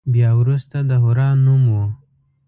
بیا وروسته د حرا نوم.